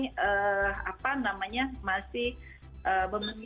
masih memiliki kemungkinan untuk dapatkan hasil positif itu belum dilakukan dengan efektif